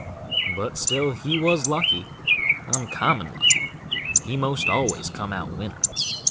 But still he was lucky, uncommon lucky; he most always come out winner.